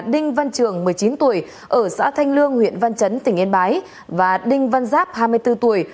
đinh văn trường một mươi chín tuổi ở xã thanh lương huyện văn chấn tỉnh yên bái và đinh văn giáp hai mươi bốn tuổi